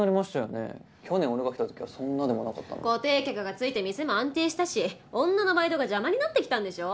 去年俺が来た時はそんなでもなかったのに。固定客がついて店も安定したし女のバイトが邪魔になってきたんでしょ。